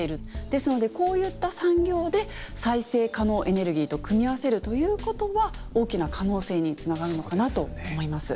ですのでこういった産業で再生可能エネルギーと組み合わせるということは大きな可能性につながるのかなと思います。